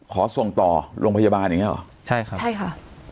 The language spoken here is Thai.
ขอส่งต่อโรงพยาบาลอย่างเงี้หรอใช่ครับใช่ค่ะ